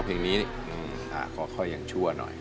อืมค่อยยังชั่วหน่อย